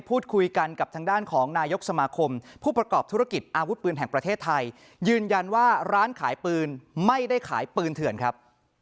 ประกอบธุรกิจอาวุธปืนแห่งประเทศไทยยืนยันว่าร้านขายปืนไม่ได้ขายปืนเถื่อนครับ